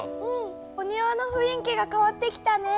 お庭のふん囲気が変わってきたね。